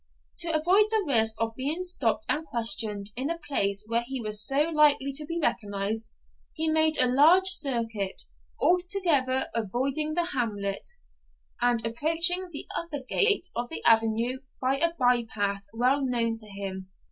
To avoid the risk of being stopped and questioned in a place where he was so likely to be recognised, he made a large circuit, altogether avoiding the hamlet, and approaching the upper gate of the avenue by a by path well known to him.